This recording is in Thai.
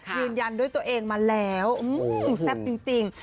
ยืนยันด้วยตัวเองมาแล้วแซ่บจริง